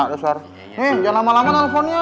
nih jangan lama lama teleponnya